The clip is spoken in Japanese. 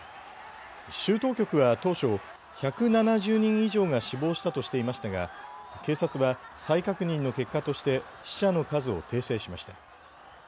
州当局は当初１７０人以上が死亡したとしていましたが警察は再確認の結果として死者の数を訂正しました。